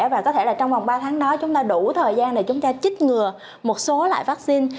và có thể là trong vòng ba tháng đó chúng ta đủ thời gian để chúng ta chích ngừa một số loại vaccine